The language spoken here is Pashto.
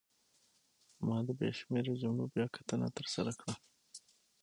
ما د بې شمېره جملو بیاکتنه ترسره کړه.